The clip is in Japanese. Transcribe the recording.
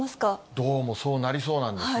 どうもそうなりそうなんですね。